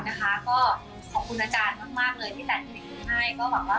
นะคะขอบคุณอาจารย์มากที่แต่งเพลงให้